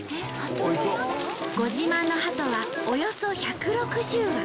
ご自慢のハトはおよそ１６０羽。